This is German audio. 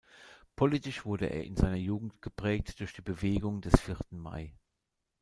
Politisch wurde er in seiner Jugend geprägt durch die Bewegung des vierten Mai.